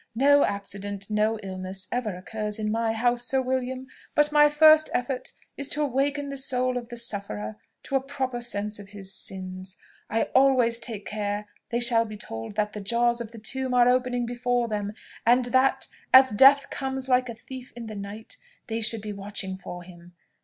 No accident, no illness ever occurs in my house, Sir William, but my first effort is to awaken the soul of the sufferer to a proper sense of his sins. I always take care they shall be told that the jaws of the tomb are opening before them, and that, as death comes like a thief in the night, they should be watching for him.